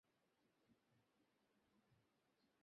না, তা নয়।